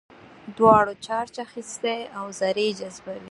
دواړو چارج اخیستی او ذرې جذبوي.